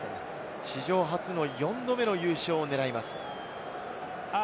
史上初の４度目の優勝を狙います。